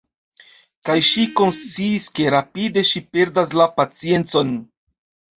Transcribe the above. Kaj ŝi konsciis ke rapide ŝi perdas la paciencon.